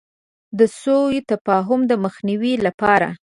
د سو تفاهم د مخنیوي لپاره.